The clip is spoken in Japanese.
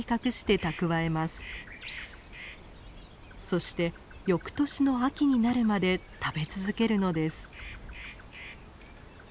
そしてよくとしの秋になるまで食べ続けるのです。